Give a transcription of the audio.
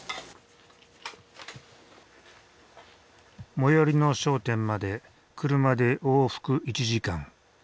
最寄りの商店まで車で往復１時間。